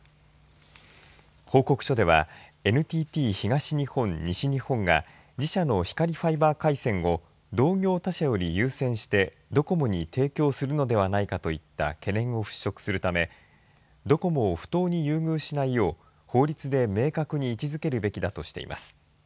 報告書ではＮＴＴ東日本・西日本が自社の光ファイバー回線を同業他社より優先してドコモに提供するのではないかといった懸念を払しょくするためドコモを不当に優遇しないよう法律で明確に位置づけるべきだとしています。